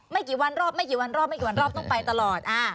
ไม่กี่วันรอบต้องไปตลอด